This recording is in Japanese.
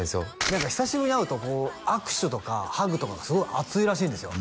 何か久しぶりに会うとこう握手とかハグとかがすごい熱いらしいんですよ